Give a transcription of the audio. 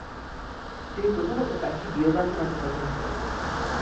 তিনি প্রধানত কয়েকটি বিয়োগান্ত নাটক রচনা করেন।